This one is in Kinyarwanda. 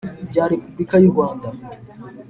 rya Repubulika y u Rwanda